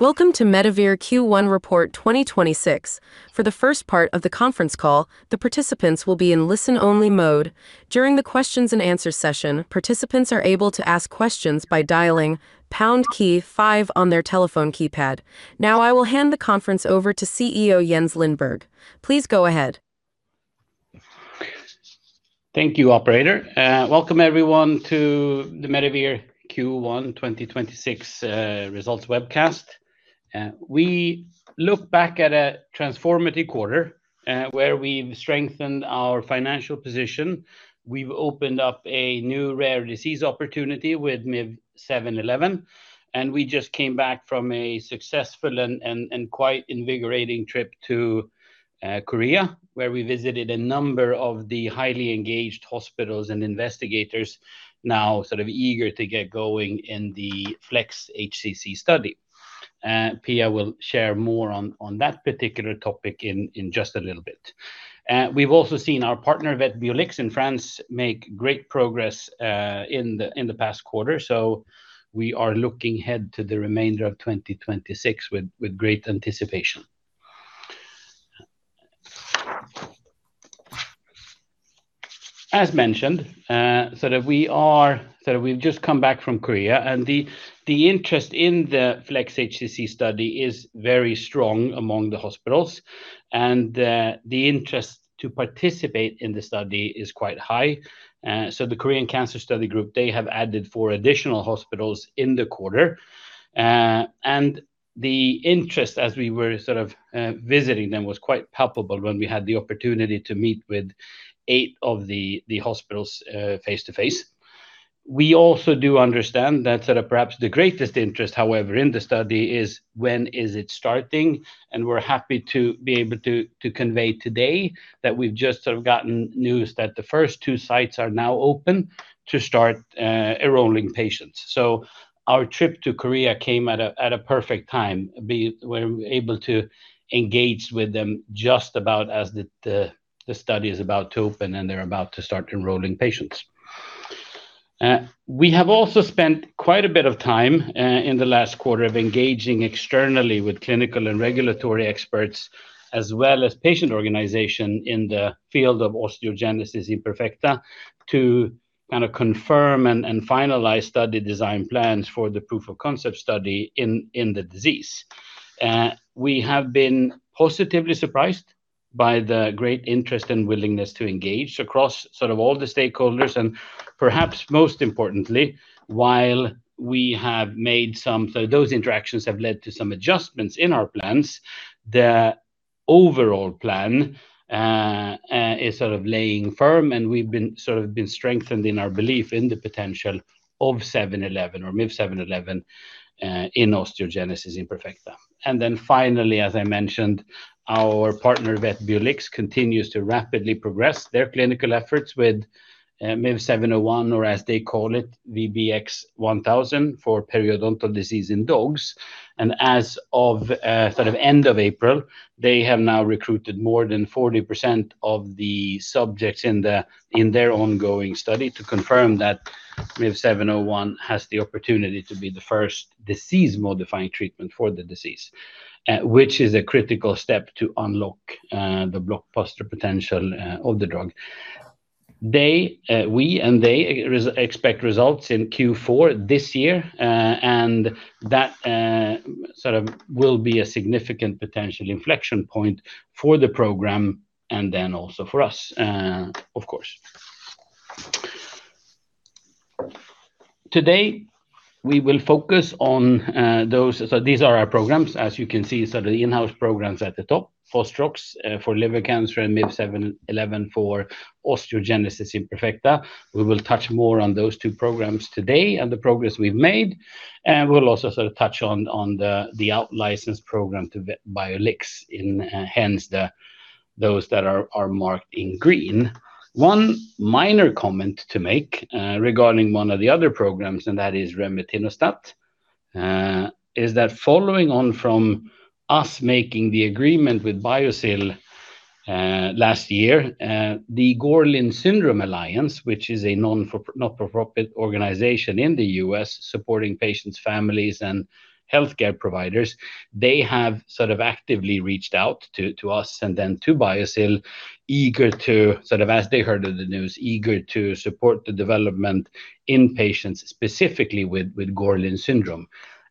Welcome to Medivir Q1 report 2026. For the first part of the conference call, the participants will be in listen-only mode. Now I will hand the conference over to CEO Jens Lindberg. Please go ahead. Thank you, operator. Welcome everyone to the Medivir Q1 2026 results webcast. We look back at a transformative quarter, where we've strengthened our financial position. We've opened up a new rare disease opportunity with MIV-711, and we just came back from a successful and quite invigorating trip to Korea, where we visited a number of the highly engaged hospitals and investigators now sort of eager to get going in the FLEX-HCC study. Pia will share more on that particular topic in just a little bit. We've also seen our partner Vetbiolix in France make great progress in the past quarter, so we are looking ahead to the remainder of 2026 with great anticipation. As mentioned, we've just come back from Korea and the interest in the FLEX-HCC study is very strong among the hospitals, and the interest to participate in the study is quite high. The Korean Cancer Study Group, they have added four additional hospitals in the quarter. The interest as we were sort of visiting them was quite palpable when we had the opportunity to meet with eight of the hospitals face-to-face. We also do understand that sort of perhaps the greatest interest, however, in the study is when is it starting. We're happy to be able to convey today that we've just sort of gotten news that the first two sites are now open to start enrolling patients. Our trip to Korea came at a perfect time. We're able to engage with them just about as the study is about to open and they're about to start enrolling patients. We have also spent quite a bit of time in the last quarter of engaging externally with clinical and regulatory experts, as well as patient organization in the field of osteogenesis imperfecta to kind of confirm and finalize study design plans for the proof of concept study in the disease. We have been positively surprised by the great interest and willingness to engage across sort of all the stakeholders. Perhaps most importantly, those interactions have led to some adjustments in our plans, the overall plan is sort of laying firm, and we've been sort of strengthened in our belief in the potential of MIV-711 in osteogenesis imperfecta. Finally, as I mentioned, our partner Vetbiolix continues to rapidly progress their clinical efforts with MIV-701 or as they call it, VBX-1000 for periodontal disease in dogs. As of end of April, they have now recruited more than 40% of the subjects in their ongoing study to confirm that MIV-701 has the opportunity to be the first disease-modifying treatment for the disease, which is a critical step to unlock the blockbuster potential of the drug. They, we and they expect results in Q4 this year. That sort of will be a significant potential inflection point for the program and then also for us, of course. Today, we will focus on those. These are our programs. As you can see, sort of the in-house programs at the top, Fostrox for liver cancer and MIV-711 for osteogenesis imperfecta. We will touch more on those two programs today and the progress we've made, and we'll also sort of touch on the outlicense program to Vetbiolix, hence those that are marked in green. One minor comment to make regarding one of the other programs, and that is remetinostat, is that following on from us making the agreement with last year, the Gorlin Syndrome Alliance, which is a not-for-profit organization in the U.S. supporting patients, families, and healthcare providers, they have sort of actively reached out to us and then to Biossil, eager to, sort of as they heard of the news, eager to support the development in patients specifically with Gorlin syndrome.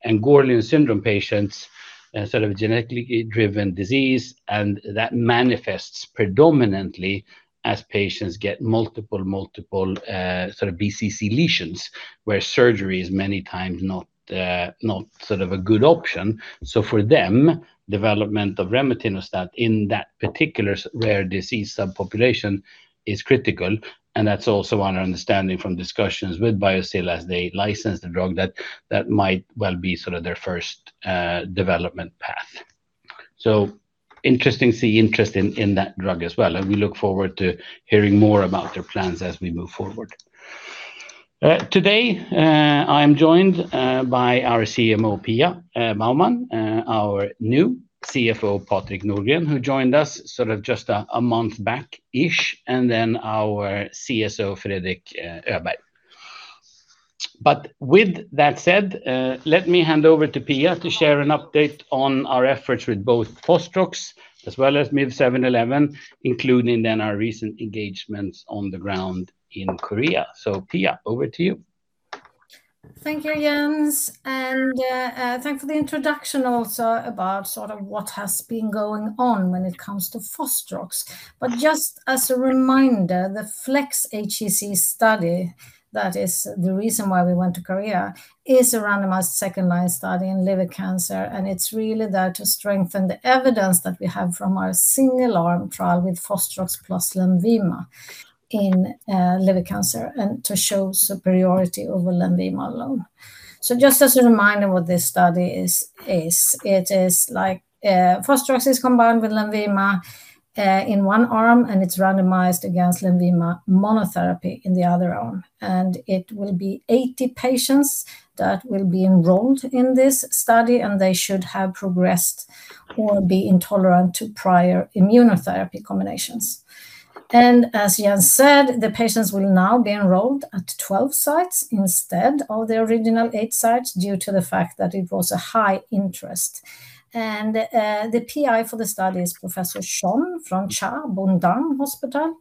Gorlin syndrome patients are sort of genetically driven disease, and that manifests predominantly as patients get multiple sort of BCC lesions, where surgery is many times not sort of a good option. For them, development of remetinostat in that particular rare disease subpopulation is critical, and that's also our understanding from discussions with Biossil as they license the drug that that might well be sort of their first development path. Interesting to see interest in that drug as well, and we look forward to hearing more about their plans as we move forward. Today, I am joined by our CMO, Pia Baumann, our new CFO, Patrik Norgren, who joined us sort of just a month back-ish, and then our CSO, Fredrik Öberg. With that said, let me hand over to Pia to share an update on our efforts with both Fostrox as well as MIV-711, including then our recent engagements on the ground in Korea. Pia, over to you. Thank you, Jens. Thanks for the introduction also about sort of what has been going on when it comes to Fostrox. Just as a reminder, the FLEX-HCC study, that is the reason why we went to Korea, is a randomized second-line study in liver cancer, and it's really there to strengthen the evidence that we have from our single-arm trial with Fostrox + LENVIMA in liver cancer and to show superiority over LENVIMA alone. Just as a reminder what this study is, it is like Fostrox is combined with LENVIMA in one arm, and it's randomized against LENVIMA monotherapy in the other arm. It will be 80 patients that will be enrolled in this study, and they should have progressed or be intolerant to prior immunotherapy combinations. As Jens said, the patients will now be enrolled at 12 sites instead of the original 8 sites due to the fact that it was a high interest. The PI for the study is Professor Jeon from CHA Bundang Hospital,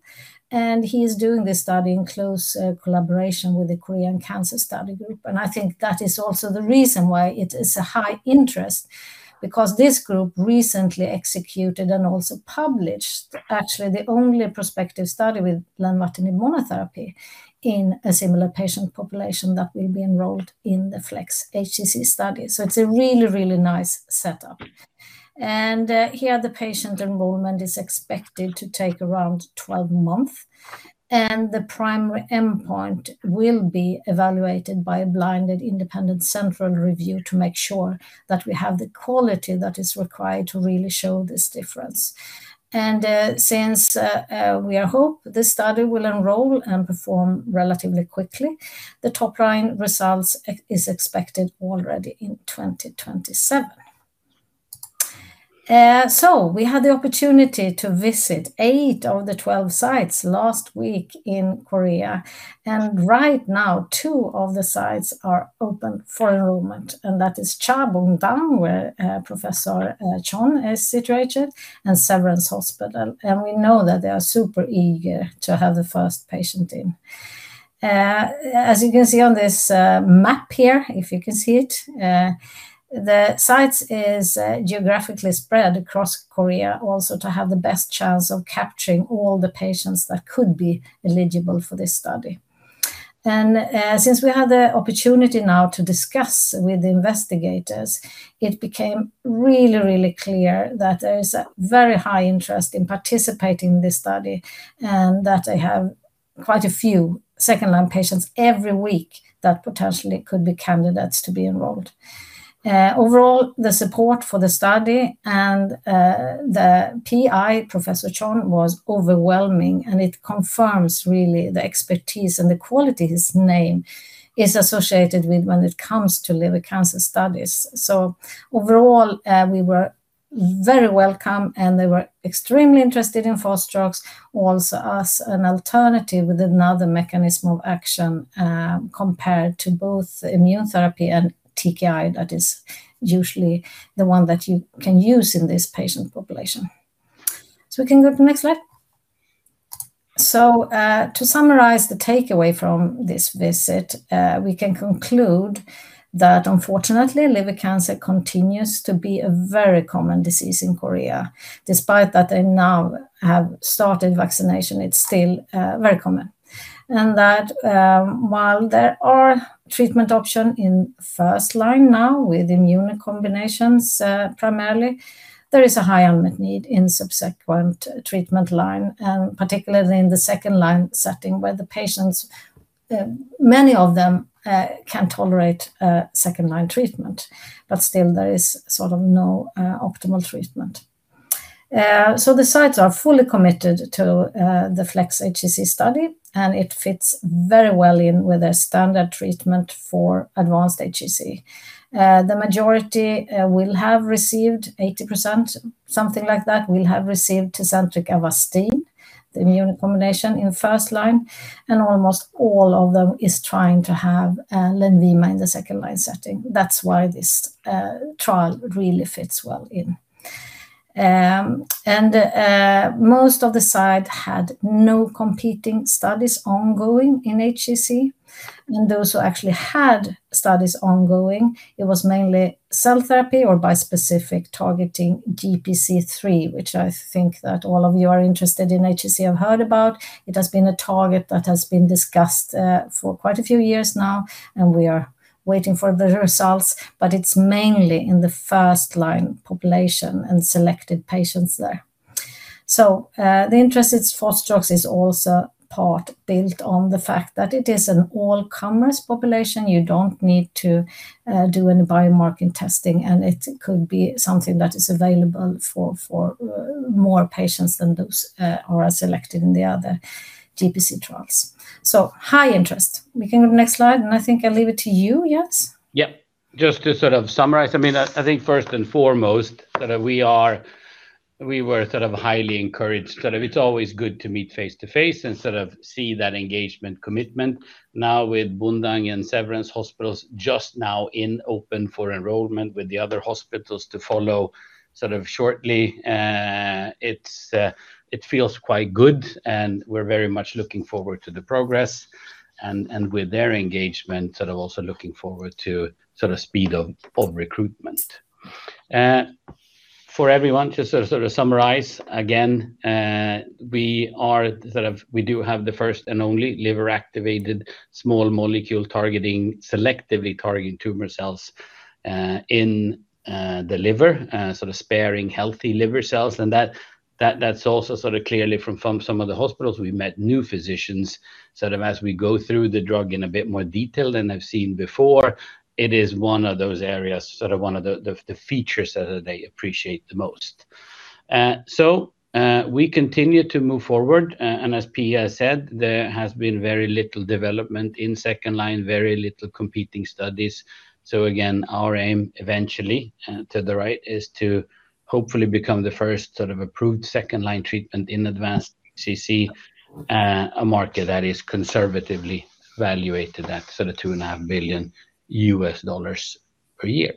and he is doing this study in close collaboration with the Korean Cancer Study Group. I think that is also the reason why it is a high interest because this group recently executed and also published actually the only prospective study with lenvatinib monotherapy in a similar patient population that will be enrolled in the FLEX-HCC study. It's a really, really nice setup. Here the patient enrollment is expected to take around 12 months, and the primary endpoint will be evaluated by a blinded independent central review to make sure that we have the quality that is required to really show this difference. Since we hope this study will enroll and perform relatively quickly, the top-line results is expected already in 2027. We had the opportunity to visit eight of the 12 sites last week in Korea. Right now, two of the sites are open for enrollment, and that is CHA Bundang, where Professor Jeon is situated, and Severance Hospital. We know that they are super eager to have the first patient in. As you can see on this map here, if you can see it, the sites is geographically spread across Korea also to have the best chance of capturing all the patients that could be eligible for this study. Since we had the opportunity now to discuss with the investigators, it became really, really clear that there is a very high interest in participating in this study, and that they have quite a few second-line patients every week that potentially could be candidates to be enrolled. Overall, the support for the study and the PI, Professor Jeon, was overwhelming, and it confirms really the expertise and the quality his name is associated with when it comes to liver cancer studies. Overall, we were very welcome, and they were extremely interested in Fostrox, also as an alternative with another mechanism of action, compared to both immunotherapy and TKI that is usually the one that you can use in this patient population. We can go to the next slide. To summarize the takeaway from this visit, we can conclude that unfortunately, liver cancer continues to be a very common disease in Korea. Despite that they now have started vaccination, it's still very common. That, while there are treatment option in first line now with immune combinations, primarily, there is a high unmet need in subsequent treatment line, particularly in the second-line setting where the patients, many of them, can tolerate a second-line treatment, but still there is sort of no optimal treatment. The sites are fully committed to the FLEX-HCC study, and it fits very well in with a standard treatment for advanced HCC. The majority, 80% something like that, will have received TECENTRIQ + Avastin, the immune combination in first-line, and almost all of them is trying to have LENVIMA in the second-line setting. That's why this trial really fits well in. Most of the site had no competing studies ongoing in HCC. Those who actually had studies ongoing, it was mainly cell therapy or bispecific targeting GPC3, which I think that all of you are interested in HCC have heard about. It has been a target that has been discussed for quite a few years now, and we are waiting for the results. It's mainly in the first-line population and selected patients there. The interest in Fostrox is also part built on the fact that it is an all-comers population. You don't need to do any biomarker testing, and it could be something that is available for more patients than those who are selected in the other GPC3 trials. High interest. We can go to next slide, and I think I'll leave it to you, Jens. Just to sort of summarize, I mean, I think first and foremost that we were sort of highly encouraged. It's always good to meet face-to-face and sort of see that engagement commitment. Now with CHA Bundang Medical Center and Severance Hospitals just now in open for enrollment with the other hospitals to follow sort of shortly, it feels quite good, and we're very much looking forward to the progress. With their engagement, sort of also looking forward to sort of speed of recruitment. For everyone, just to sort of summarize again, we do have the first and only liver-activated small molecule targeting, selectively targeting tumor cells in the liver, sort of sparing healthy liver cells. That's also sort of clearly from some of the hospitals we've met new physicians. Sort of as we go through the drug in a bit more detail than I've seen before, it is one of those areas, sort of one of the features that they appreciate the most. We continue to move forward, and as Pia said, there has been very little development in second-line, very little competing studies. Again, our aim eventually, to the right, is to hopefully become the first sort of approved second-line treatment in advanced HCC, a market that is conservatively valuated at sort of $2.5 billion per year.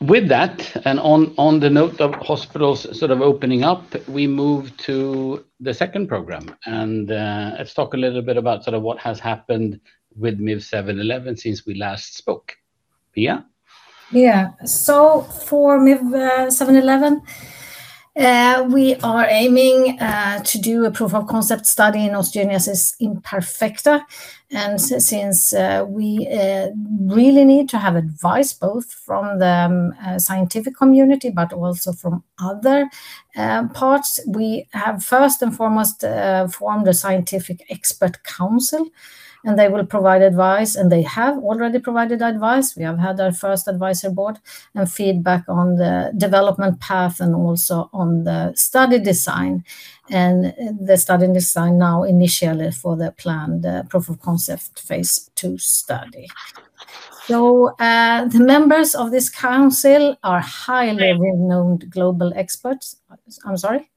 With that, and on the note of hospitals sort of opening up, we move to the second program. Let's talk a little bit about sort of what has happened with MIV-711 since we last spoke. Pia? Yeah. For MIV-711, we are aiming to do a proof of concept study in osteogenesis imperfecta. Since we really need to have advice both from the scientific community, but also from other parts, we have first and foremost formed a scientific expert council, and they will provide advice, and they have already provided advice. We have had our first advisory board and feedback on the development path and also on the study design. The study design now initially for the planned proof of concept phase II study. The members of this council are highly renowned global experts. I'm sorry?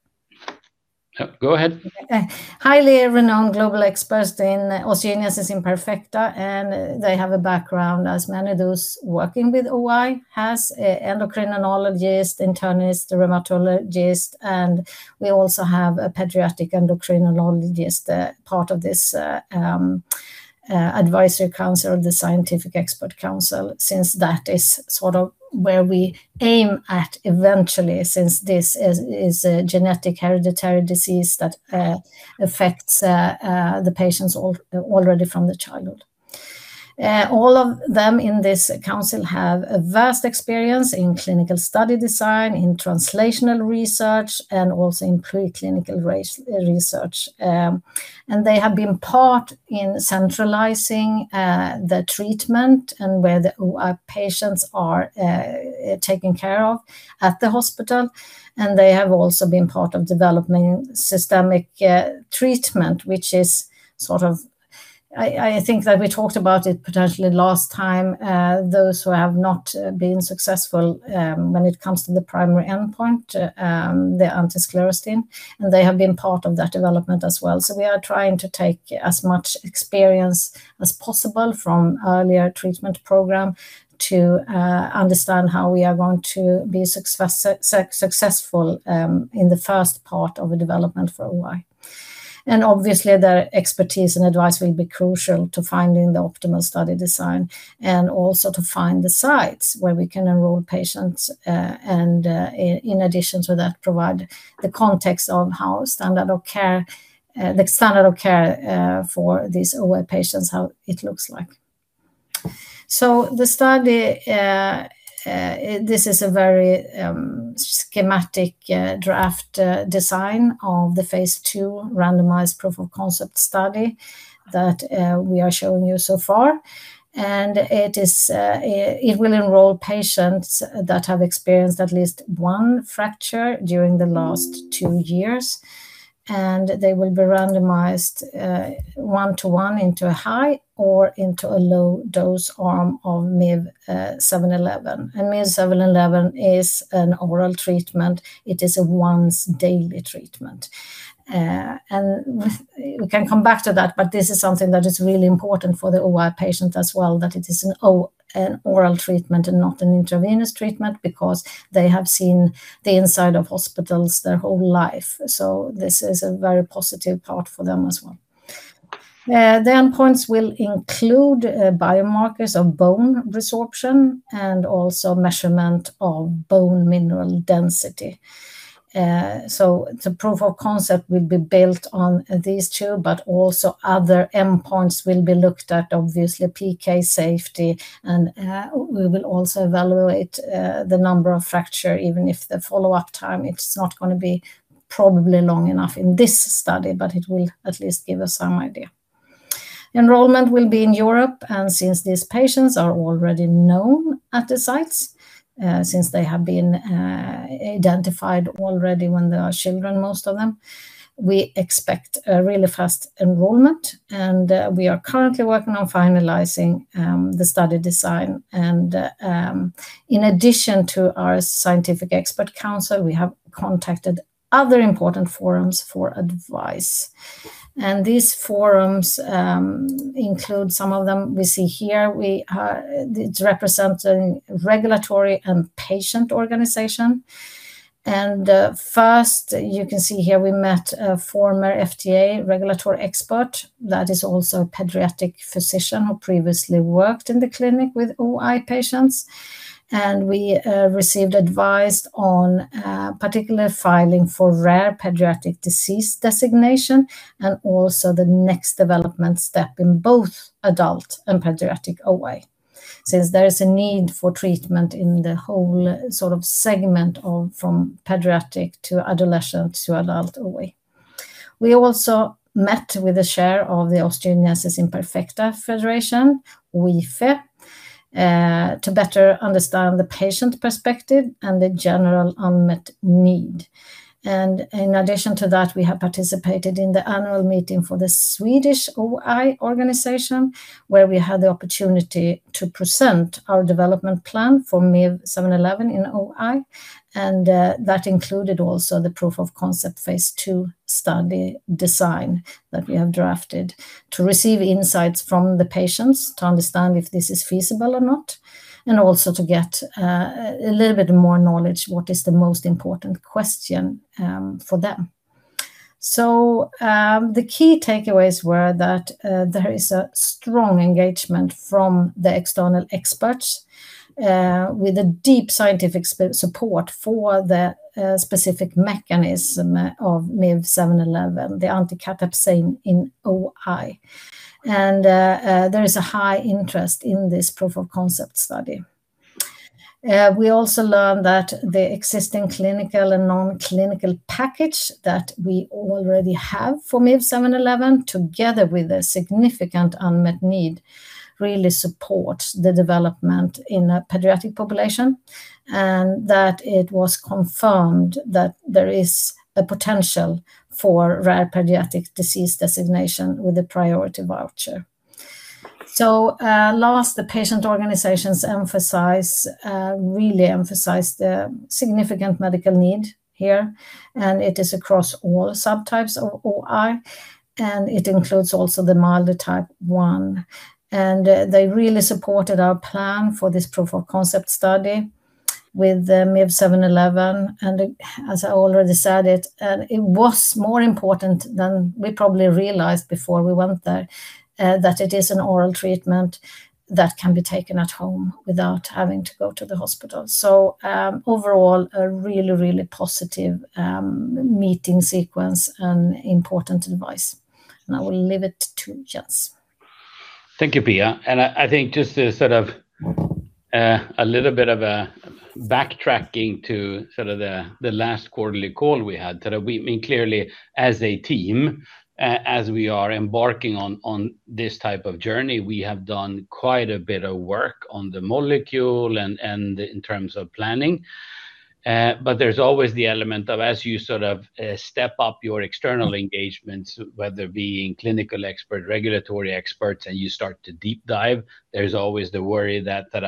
No. Go ahead. Okay. Highly renowned global experts in osteogenesis imperfecta, and they have a background as many of those working with OI has. A endocrinologist, internist, rheumatologist, and we also have a pediatric endocrinologist, part of this advisory council or the scientific expert council since that is sort of where we aim at eventually since this is a genetic hereditary disease that affects the patients already from the childhood. All of them in this council have a vast experience in clinical study design, in translational research, and also in preclinical research. They have been part in centralizing the treatment and where the OI patients are taken care of at the hospital. They have also been part of developing systemic treatment, which is sort of I think that we talked about it potentially last time, those who have not been successful, when it comes to the primary endpoint, the anti-sclerostin, and they have been part of that development as well. We are trying to take as much experience as possible from earlier treatment program to understand how we are going to be successful in the first part of a development for OI. Obviously, their expertise and advice will be crucial to finding the optimal study design and also to find the sites where we can enroll patients, and in addition to that, provide the context of how the standard of care for these OI patients, how it looks like. This is a very schematic draft design of the phase II randomized proof of concept study that we are showing you so far. It will enroll patients that have experienced at least one fracture during the last two years, and they will be randomized one-to-one into a high or into a low dose arm of MIV-711. MIV-711 is an oral treatment. It is a once daily treatment. We can come back to that, but this is something that is really important for the OI patient as well, that it is an oral treatment and not an intravenous treatment because they have seen the inside of hospitals their whole life. This is a very positive part for them as well. The endpoints will include biomarkers of bone resorption and also measurement of bone mineral density. The proof of concept will be built on these two, but also other endpoints will be looked at, obviously PK safety. We will also evaluate the number of fracture, even if the follow-up time, it's not gonna be probably long enough in this study, but it will at least give us some idea. Enrollment will be in Europe, and since these patients are already known at the sites, since they have been identified already when they are children, most of them, we expect a really fast enrollment. We are currently working on finalizing the study design. In addition to our scientific expert council, we have contacted other important forums for advice. These forums include some of them we see here. We, it's representing regulatory and patient organization. First, you can see here we met a former FDA regulatory expert that is also a pediatric physician who previously worked in the clinic with OI patients. We received advice on particular filing for rare pediatric disease designation and also the next development step in both adult and pediatric OI since there is a need for treatment in the whole sort of segment of from pediatric to adolescents to adult OI. We also met with the chair of the Osteogenesis Imperfecta Federation, OIFE, to better understand the patient perspective and the general unmet need. In addition to that, we have participated in the annual meeting for the Swedish OI organization, where we had the opportunity to present our development plan for MIV-711 in OI. That included also the proof-of-concept phase II study design that we have drafted to receive insights from the patients to understand if this is feasible or not, and also to get a little bit more knowledge what is the most important question for them. The key takeaways were that there is a strong engagement from the external experts with a deep scientific support for the specific mechanism of MIV-711, the anti-cathepsin K in OI. There is a high interest in this proof-of-concept study. We also learned that the existing clinical and non-clinical package that we already have for MIV-711, together with a significant unmet need, really support the development in a pediatric population, and that it was confirmed that there is a potential for rare pediatric disease designation with a priority review voucher. Last, the patient organizations emphasize the significant medical need here, and it is across all subtypes of OI, and it includes also the milder Type 1. They really supported our plan for this proof-of-concept study with MIV-711. As I already said it was more important than we probably realized before we went there, that it is an oral treatment that can be taken at home without having to go to the hospital. Overall, a really positive meeting sequence and important advice. I will leave it to Jens. Thank you, Pia. I think just to sort of a little bit of a backtracking to sort of the last quarterly call we had. I mean, clearly, as a team, as we are embarking on this type of journey, we have done quite a bit of work on the molecule and in terms of planning. But there's always the element of as you sort of step up your external engagements, whether it being clinical expert, regulatory experts, and you start to deep dive, there's always the worry that sort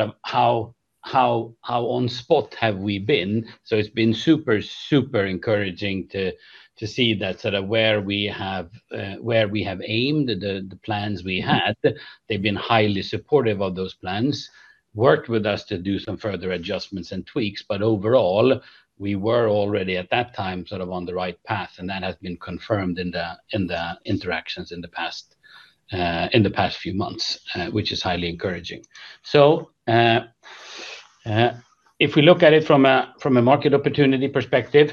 of how on spot have we been. It's been super encouraging to see that sort of where we have aimed the plans we had. They've been highly supportive of those plans, worked with us to do some further adjustments and tweaks. Overall, we were already at that time sort of on the right path, and that has been confirmed in the interactions in the past few months, which is highly encouraging. If we look at it from a market opportunity perspective,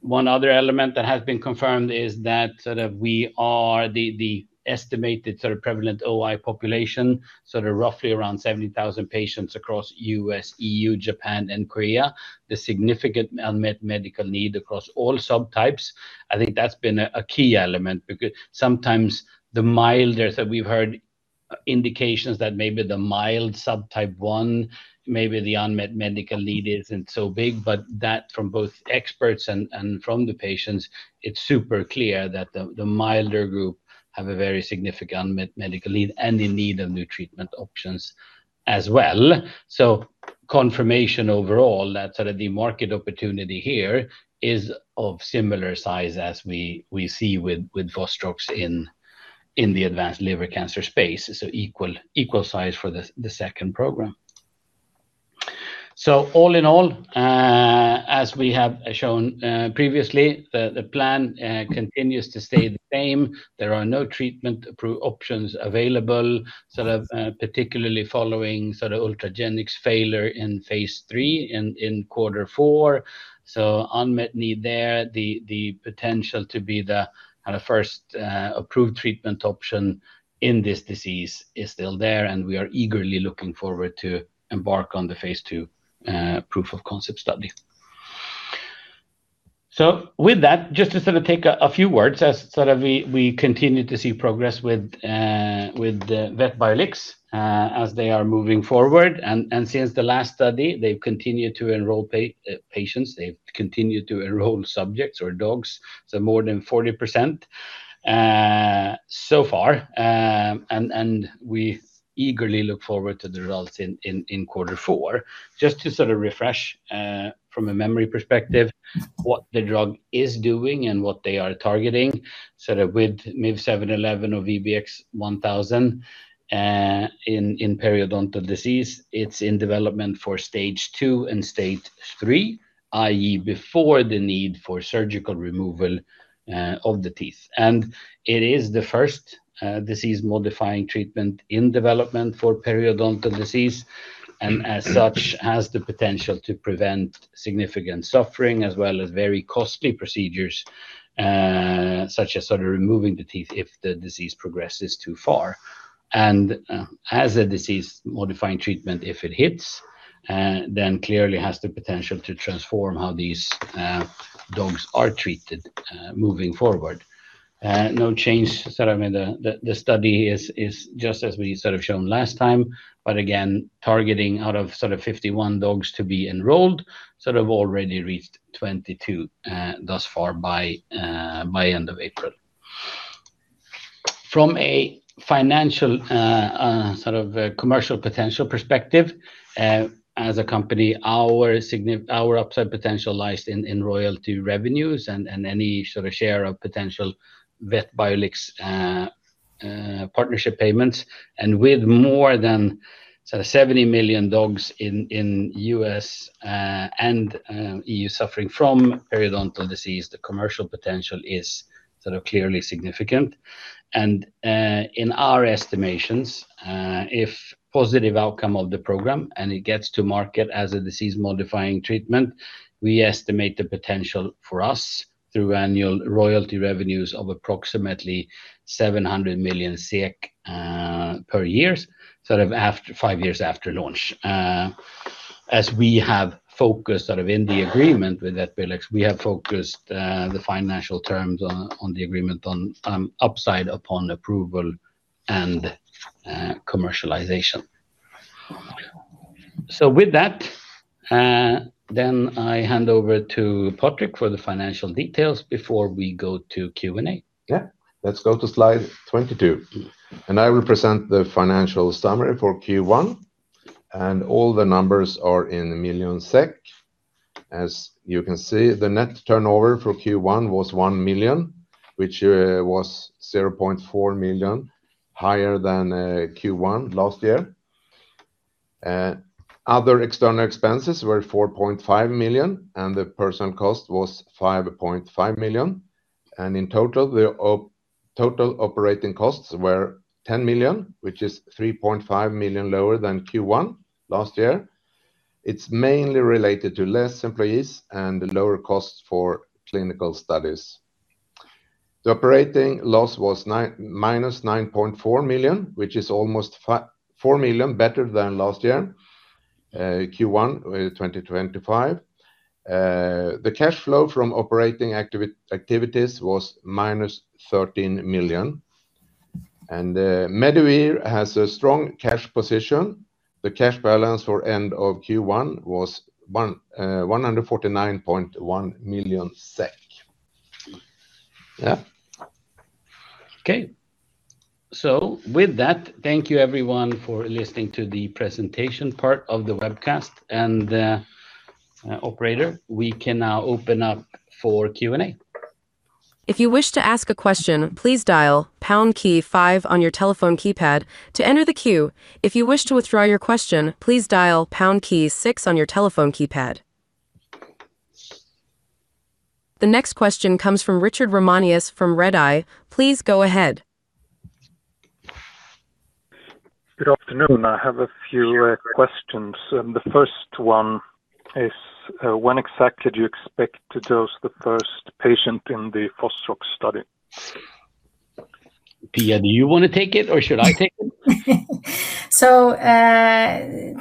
one other element that has been confirmed is that sort of we are the estimated prevalent OI population, roughly around 70,000 patients across U.S., E.U., Japan, and Korea. The significant unmet medical need across all subtypes, I think that's been a key element because sometimes we've heard indications that maybe the mild Subtype 1, maybe the unmet medical need isn't so big. That from both experts and from the patients, it's super clear that the milder group have a very significant unmet medical need and in need of new treatment options as well. Confirmation overall that sort of the market opportunity here is of similar size as we see with Fostrox in the advanced liver cancer space. Equal size for the second program. All in all, as we have shown previously, the plan continues to stay the same. There are no treatment-approved options available, sort of, particularly following sort of Ultragenyx failure in phase III in quarter four. Unmet need there. The potential to be the first approved treatment option in this disease is still there, and we are eagerly looking forward to embark on the phase II proof-of-concept study. With that, just to take a few words as we continue to see progress with Vetbiolix as they are moving forward. Since the last study, they've continued to enroll patients. They've continued to enroll subjects or dogs, more than 40% so far. We eagerly look forward to the results in quarter four. Just to sort of refresh, from a memory perspective what the drug is doing and what they are targeting, sort of with MIV-711 or VBX-1000, in periodontal disease, it's in development for stage II and stage III, i.e., before the need for surgical removal of the teeth. It is the first disease-modifying treatment in development for periodontal disease, and as such has the potential to prevent significant suffering as well as very costly procedures, such as sort of removing the teeth if the disease progresses too far. As a disease-modifying treatment, if it hits, then clearly has the potential to transform how these dogs are treated, moving forward. No change sort of in the study is just as we sort of shown last time. Again, targeting out of 51 dogs to be enrolled, already reached 22 thus far by end of April. From a financial, commercial potential perspective, as a company, our upside potential lies in royalty revenues and any share of potential Vetbiolix partnership payments. With more than 70 million dogs in U.S. and E.U. suffering from periodontal disease, the commercial potential is clearly significant. In our estimations, if positive outcome of the program and it gets to market as a disease-modifying treatment, we estimate the potential for us through annual royalty revenues of approximately 700 million SEK per year, after five years after launch. As we have focused sort of in the agreement with Vetbiolix, we have focused the financial terms on the agreement on upside upon approval and commercialization. With that, I hand over to Patrik for the financial details before we go to Q&A. Let's go to slide 22. I will present the financial summary for Q1, and all the numbers are in million SEK. As you can see, the net turnover for Q1 was 1 million, which was 0.4 million higher than Q1 last year. Other external expenses were 4.5 million, and the person cost was 5.5 million. In total, the total operating costs were 10 million, which is 3.5 million lower than Q1 last year. It's mainly related to less employees and lower costs for clinical studies. The operating loss was -9.4 million, which is almost 4 million better than last year, Q1 2025. The cash flow from operating activities was -13 million. Medivir has a strong cash position. The cash balance for end of Q1 was 149.1 million SEK. Yeah. Okay. With that, thank you everyone for listening to the presentation part of the webcast. Operator, we can now open up for Q&A. The next question comes from Richard Ramanius from Redeye. Please go ahead. Good afternoon. I have a few questions. The first one is, when exactly do you expect to dose the first patient in the Fostrox study? Pia, do you wanna take it or should I take it?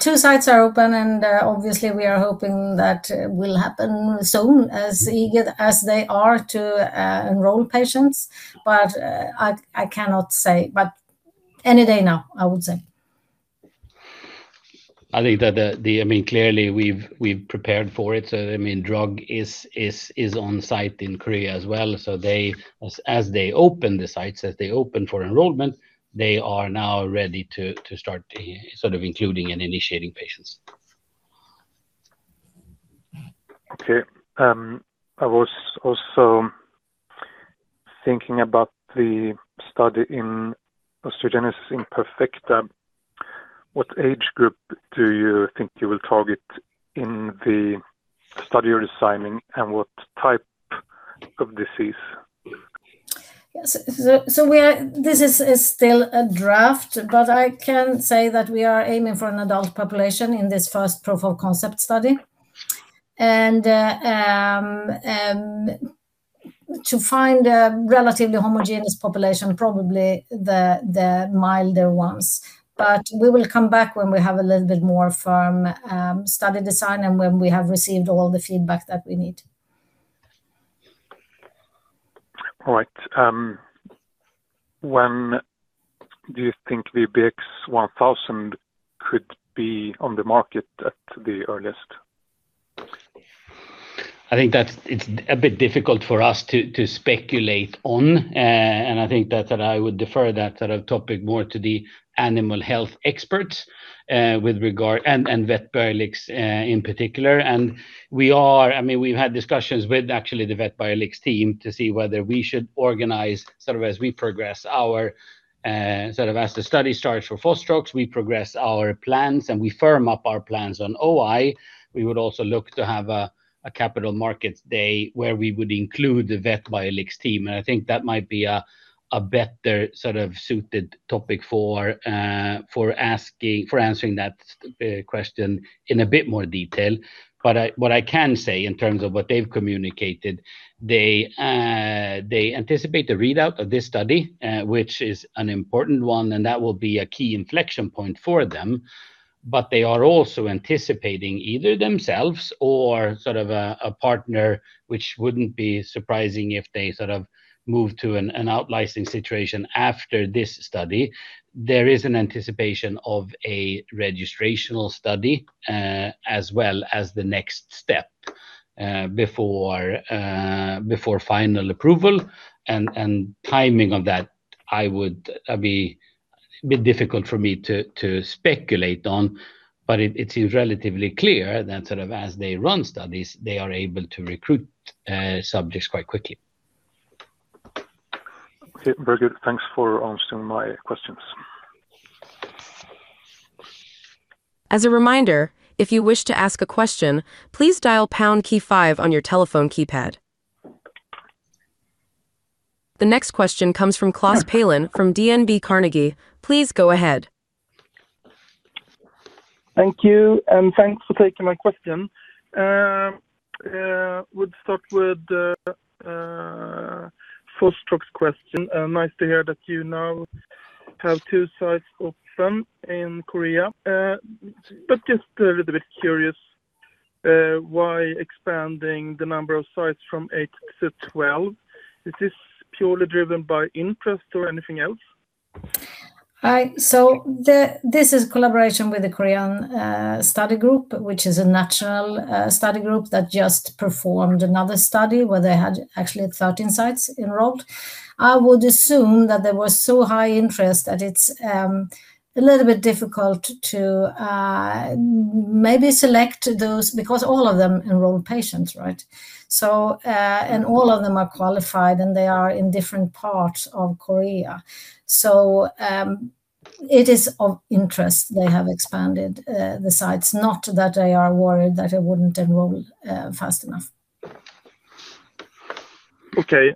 Two sites are open and obviously we are hoping that will happen soon, as eager as they are to enroll patients. I cannot say, but any day now, I would say. I think that the I mean, clearly we've prepared for it. I mean, drug is on site in Korea as well, so they as they open the sites, as they open for enrollment, they are now ready to start sort of including and initiating patients. Okay. I was also thinking about the study in osteogenesis imperfecta. What age group do you think you will target in the study you're designing, and what type of disease? Yes. This is still a draft, but I can say that we are aiming for an adult population in this first proof of concept study. To find a relatively homogeneous population, probably the milder ones. We will come back when we have a little bit more firm study design and when we have received all the feedback that we need. All right. When do you think the VBX-1000 could be on the market at the earliest? I think that's a bit difficult for us to speculate on. I think that I would defer that sort of topic more to the animal health experts with regard and Vetbiolix in particular. I mean, we've had discussions with actually the Vetbiolix team to see whether we should organize sort of as we progress our, sort of as the study starts for Fostrox, we progress our plans and we firm up our plans on OI. We would also look to have a capital markets day where we would include the Vetbiolix team. I think that might be a better sort of suited topic for answering that question in a bit more detail. What I can say in terms of what they've communicated, they anticipate the readout of this study, which is an important one, and that will be a key inflection point for them. They are also anticipating either themselves or sort of a partner, which wouldn't be surprising if they sort of move to an out licensing situation after this study. There is an anticipation of a registrational study as well as the next step before final approval. Timing of that, I would be a bit difficult for me to speculate on, but it's relatively clear that sort of as they run studies, they are able to recruit subjects quite quickly. Okay. Very good. Thanks for answering my questions. As a reminder, if you wish to ask a question, please dial pound key five on your telephone keypad. The next question comes from Klas Palin from DNB Carnegie. Please go ahead. Thank you. Thanks for taking my question. Would start with the Fostrox question. Nice to hear that you now have two sites open in Korea. Just a little bit curious, why expanding the number of sites from eight to 12? Is this purely driven by interest or anything else? Hi. This is collaboration with the Korean study group, which is a natural study group that just performed another study where they had actually 13 sites enrolled. I would assume that there was so high interest that it's a little bit difficult to maybe select those because all of them enroll patients, right? All of them are qualified, and they are in different parts of Korea. It is of interest they have expanded the sites, not that they are worried that it wouldn't enroll fast enough. Okay.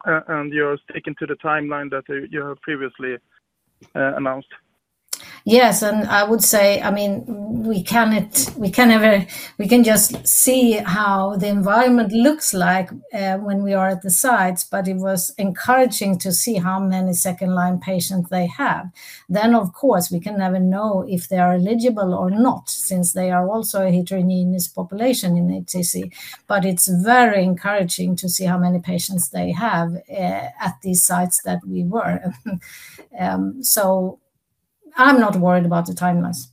You're sticking to the timeline that you have previously announced? Yes. I would say, I mean, we can just see how the environment looks like when we are at the sites, but it was encouraging to see how many second-line patients they have. Of course, we can never know if they are eligible or not since they are also a heterogeneous population in HCC. It's very encouraging to see how many patients they have at these sites that we were. I'm not worried about the timelines.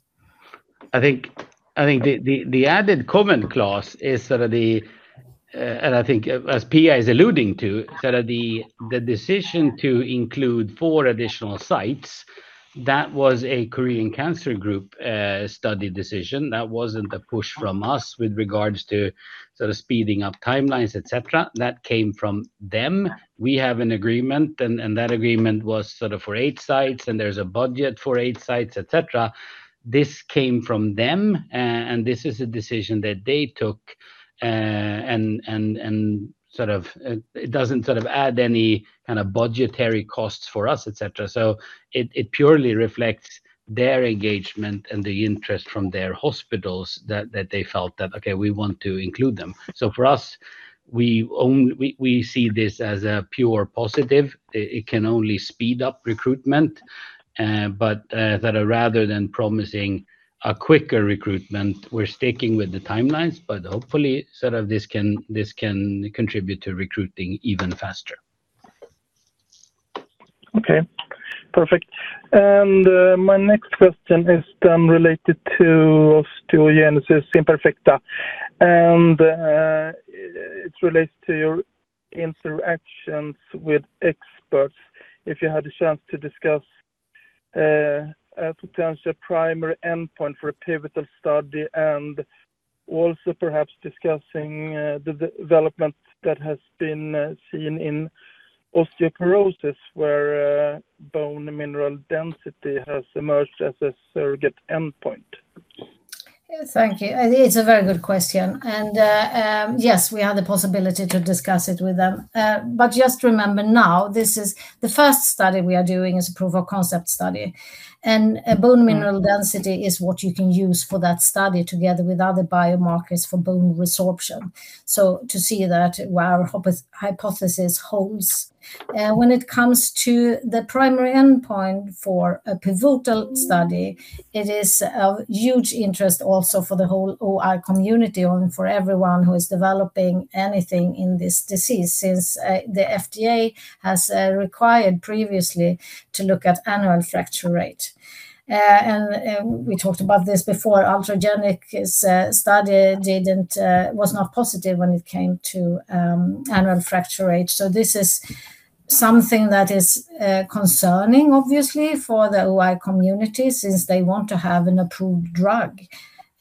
I think the added comment, Klas, is sort of the, and I think as Pia is alluding to, sort of the decision to include four additional sites, that was a Korean Cancer Study Group study decision. That wasn't a push from us with regards to sort of speeding up timelines, et cetera. That came from them. We have an agreement and that agreement was sort of for eight sites, and there is a budget for eight sites, et cetera. This came from them, this is a decision that they took. Sort of, it doesn't sort of add any kind of budgetary costs for us, et cetera. It purely reflects their engagement and the interest from their hospitals that they felt that, "Okay, we want to include them." For us, we see this as a pure positive. It can only speed up recruitment. Rather than promising a quicker recruitment, we're sticking with the timelines, but hopefully sort of this can contribute to recruiting even faster. Okay. Perfect. My next question is then related to osteogenesis imperfecta. It relates to your interactions with experts. If you had a chance to discuss a potential primary endpoint for a pivotal study and also perhaps discussing the development that has been seen in osteoporosis where bone mineral density has emerged as a surrogate endpoint. Thank you. It's a very good question. Yes, we have the possibility to discuss it with them. Just remember now, this is the first study we are doing as a proof-of-concept study. Bone mineral density is what you can use for that study together with other biomarkers for bone resorption, so to see that our hypothesis holds. When it comes to the primary endpoint for a pivotal study, it is of huge interest also for the whole OI community and for everyone who is developing anything in this disease since the FDA has required previously to look at annual fracture rate. We talked about this before. Ultragenyx's study didn't was not positive when it came to annual fracture rate. This is something that is concerning obviously for the OI community since they want to have an approved drug.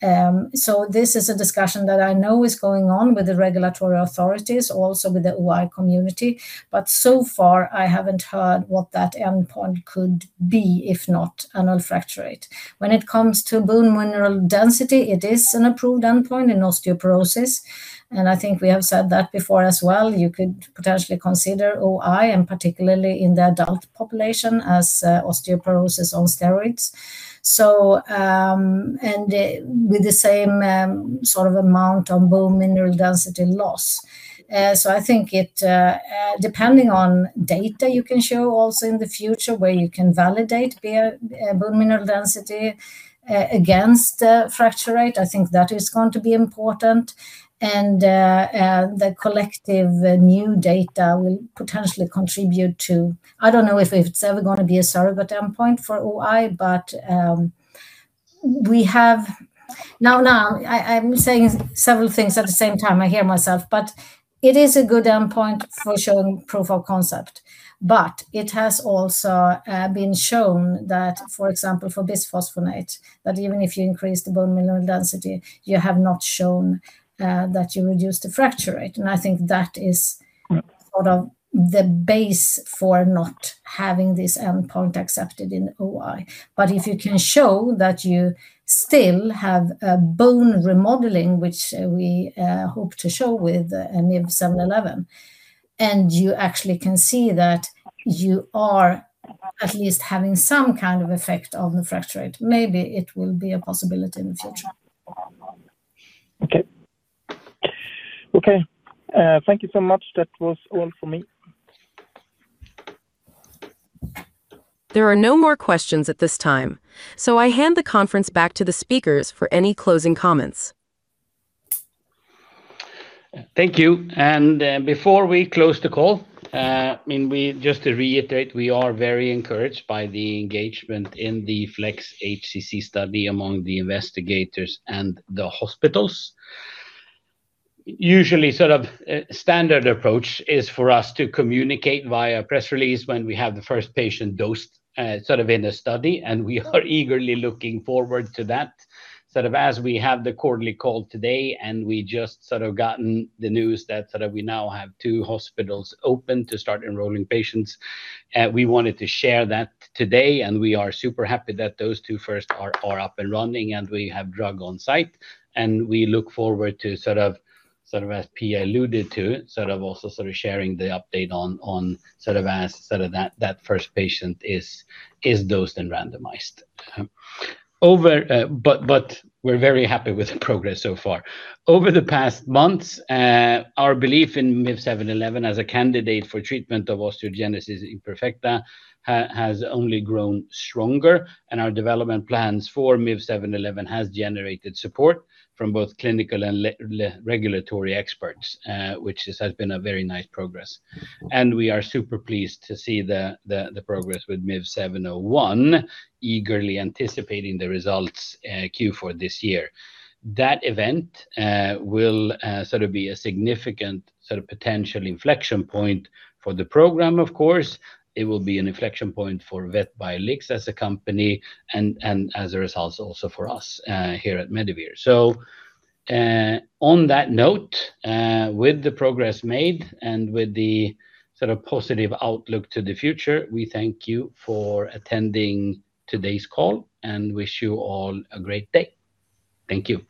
This is a discussion that I know is going on with the regulatory authorities, also with the OI community. So far I haven't heard what that endpoint could be if not annual fracture rate. When it comes to bone mineral density, it is an approved endpoint in osteoporosis, and I think we have said that before as well. You could potentially consider OI, and particularly in the adult population, as osteoporosis on steroids, with the same sort of amount of bone mineral density loss. I think it, depending on data you can show also in the future where you can validate the bone mineral density against the fracture rate, I think that is going to be important. The collective new data will potentially contribute to I don't know if it's ever going to be a surrogate endpoint for OI, but we have. Now, now I'm saying several things at the same time. I hear myself. It is a good endpoint for showing proof of concept. It has also been shown that, for example, for bisphosphonate, that even if you increase the bone mineral density, you have not shown that you reduce the fracture rate. I think that is sort of the base for not having this endpoint accepted in OI. If you can show that you still have bone remodeling, which we hope to show with MIV-711, and you actually can see that you are at least having some kind of effect on the fracture rate, maybe it will be a possibility in the future. Okay. Okay. Thank you so much. That was all for me. There are no more questions at this time, so I hand the conference back to the speakers for any closing comments. Thank you. Before we close the call, I mean, just to reiterate, we are very encouraged by the engagement in the FLEX-HCC study among the investigators and the hospitals. Usually sort of standard approach is for us to communicate via press release when we have the first patient dosed sort of in the study, and we are eagerly looking forward to that. Sort of as we have the quarterly call today and we just sort of gotten the news that sort of we now have two hospitals open to start enrolling patients, we wanted to share that today, and we are super happy that those two first are up and running, and we have drug on site. We look forward to as Pia Baumann alluded to, also sharing the update on as that first patient is dosed and randomized. We're very happy with the progress so far. Over the past months, our belief in MIV-711 as a candidate for treatment of osteogenesis imperfecta has only grown stronger, and our development plans for MIV-711 has generated support from both clinical and regulatory experts, which has been a very nice progress. We are super pleased to see the progress with MIV-701, eagerly anticipating the results, Q4 this year. That event will be a significant potential inflection point for the program, of course. It will be an inflection point for Vetbiolix as a company and as a result also for us here at Medivir. On that note, with the progress made and with the sort of positive outlook to the future, we thank you for attending today's call and wish you all a great day. Thank you.